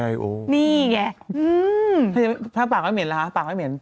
ได้หรือปากไม่เหม็นหรอคะปากไม่เหม็น